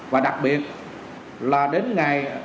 và đặc biệt là đến ngày